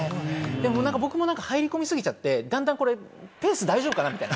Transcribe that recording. でも僕も入り込みすぎちゃって、段々ペース大丈夫かな？みたいな。